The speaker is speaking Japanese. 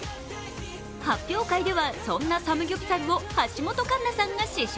発表会ではそんなサムギョプサルを橋本環奈さんが試食。